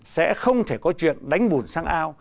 sẽ không thể có chuyện đánh bùn sang ao